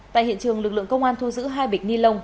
tại hiện trường lực lượng công an thu giữ hai bịch ni lông